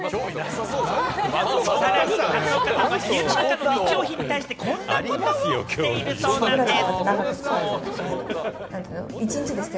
さらに松岡さんは家の中の日用品に対し、こんなことをしているそうなんです。